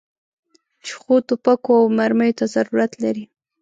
چې ښو توپکو او مرمیو ته ضرورت لري.